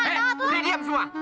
eh si diam semua